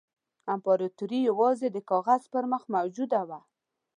امپراطوري یوازې د کاغذ پر مخ موجوده وه.